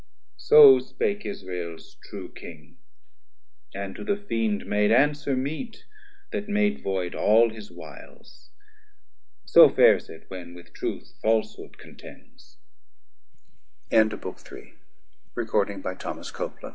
440 So spake Israel's true King, and to the Fiend Made answer meet, that made void all his wiles. So fares it when with truth falshood contends. The End of the Third Book. The Fourth B